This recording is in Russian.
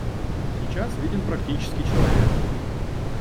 Сейчас виден практический человек.